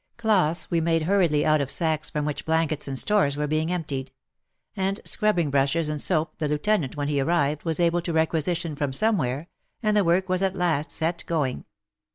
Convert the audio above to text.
Cloths we made hurriedly out of sacks from which blankets and stores were being emptied ; and scrubbing brushes and soap, the lieutenant, when he arrived, was able to requisition from somewhere, and the work was at last set going.